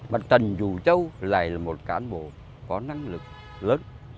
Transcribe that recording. mà trần dù châu lại là một cán bộ có năng lực lớn